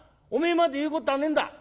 「おめえまで言うことはねえんだ。